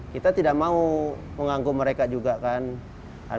kita tidak mau menganggum mereka juga kan